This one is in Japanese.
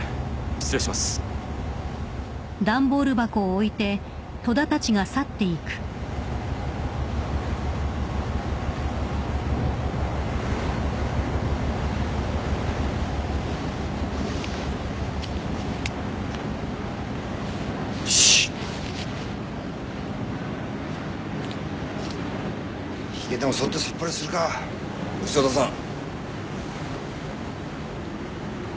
失礼しますよしヒゲでもそってさっぱりするか潮田さん！